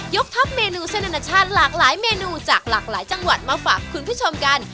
ทับเมนูเส้นอนาชาติหลากหลายเมนูจากหลากหลายจังหวัดมาฝากคุณผู้ชมกัน